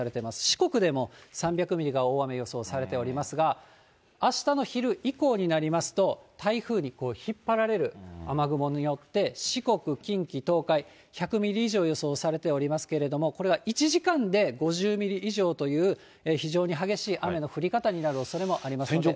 四国でも３００ミリが、大雨予想されておりますが、あしたの昼以降になりますと、台風に引っ張られる雨雲によって、四国、近畿、東海、１００ミリ以上予想されておりますけれども、これは１時間で５０ミリ以上という非常に激しい雨の降り方になるおそれもありますので。